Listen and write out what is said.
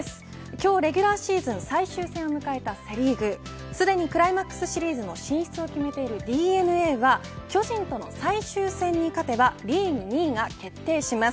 今日、レギュラーシーズン最終戦を迎えたセ・リーグすでにクライマックスシリーズの進出を決めているＤｅＮＡは巨人との最終戦に勝てばリーグ２位が決定します。